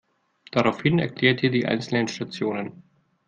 Daraufhin erklärt ihr die einzelnen Stationen.